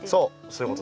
そう。